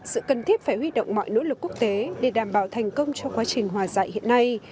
sự cần thiết phải huy động mọi nỗ lực quốc tế để đảm bảo thành công trong quá trình hòa dạy hiện nay